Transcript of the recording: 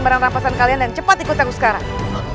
bawa barang barang rampasan kalian dan cepat ikut aku sekarang